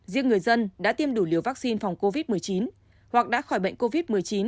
riêng người dân đã tiêm đủ liều vaccine phòng covid một mươi chín hoặc đã khỏi bệnh covid một mươi chín